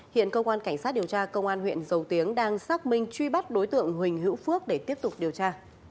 hiện công an cảnh sát điều tra công an huyện dầu tiếng đang xác minh truy bắt đối tượng huỳnh hiễu phước để tiếp tục điều tra